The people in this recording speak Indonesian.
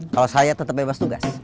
kalo saya tetep bebas tugas